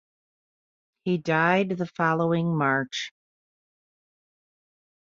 He died the following March.